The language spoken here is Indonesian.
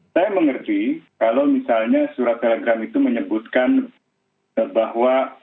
saya mengerti kalau misalnya surat telegram itu menyebutkan bahwa